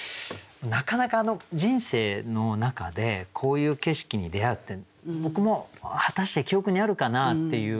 なかなか人生の中でこういう景色に出会うって僕も果たして記憶にあるかなっていう。